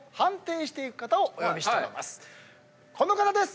この方です！